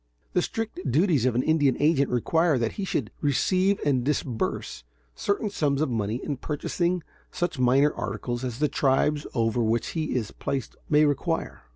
The strict duties of an Indian agent require that he should receive and disburse certain sums of money in purchasing such minor articles as the tribes over which he is placed may require.